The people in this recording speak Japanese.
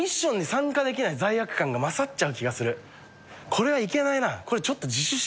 これはいけないな。